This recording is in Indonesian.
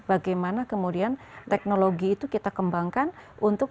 bagaimana kemudian teknologi itu kita kembangkan untuk bisa meningkatkan program